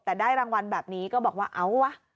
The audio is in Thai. แต่ได้รางวัลแบบนี้ก็บอกว่าเอาวะ